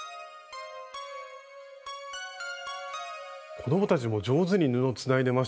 子どもたちも上手に布をつないでましたし。